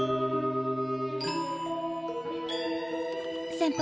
先輩